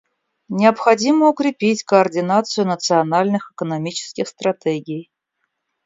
Необходимо укрепить координацию национальных экономических стратегий.